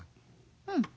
うん。